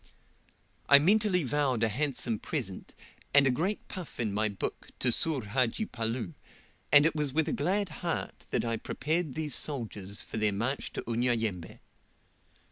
I mentally vowed a handsome present, and a great puff in my book, to Soor Hadji Palloo, and it was with a glad heart that I prepared these soldiers for their march to Unyayembe.